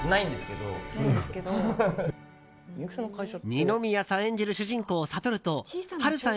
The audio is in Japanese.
二宮さん演じる主人公・悟と波瑠さん